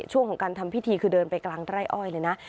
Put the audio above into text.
ช่วงของการทำพิธีคือเดินไปกลางไร่อ้อยเลยนะ